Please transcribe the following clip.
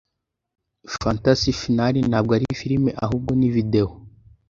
Fantasy Final ntabwo ari firime, ahubwo ni videwo.